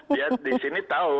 dia di sini tahu